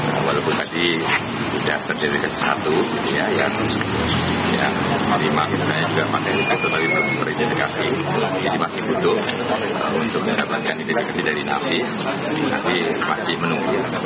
walaupun tadi sudah teridentifikasi satu yang lima saya juga masih teridentifikasi jadi masih butuh untuk mendapatkan identifikasi dari dinamis tapi masih menunggu